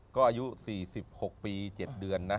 ก็อายุ๔๖ปี๗เดือนนะ